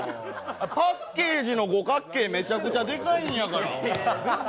パッケージの五角形、めちゃくちゃでかいんやから。